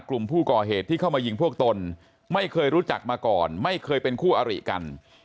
กลุ่มผู้ก่อเหตุที่เข้ามายิงพวกตนไม่เคยรู้จักมาก่อนไม่เคยเป็นคู่อริกัน